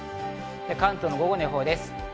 関東の午後の予報です。